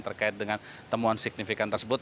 terkait dengan temuan signifikan tersebut